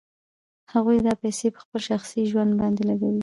هغوی دا پیسې په خپل شخصي ژوند باندې لګوي